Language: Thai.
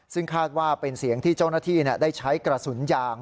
ซึ่งคาดว่าเป็นเสียงที่เจ้าหน้าที่ได้ใช้กระสุนยาง